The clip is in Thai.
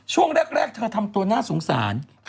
ช่วงแรกเธอทำตัวน่าสงสาร